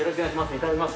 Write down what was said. いただきます。